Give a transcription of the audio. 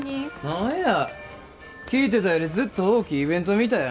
何や聞いてたよりずっと大きいイベントみたいやなあ。